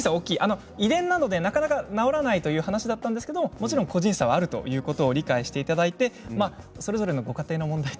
遺伝なのでなかなか直らないという話があったんですがもちろん個人差があるということを理解していただいてそれぞれのご家庭の問題も